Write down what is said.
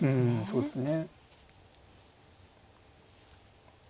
そうですね。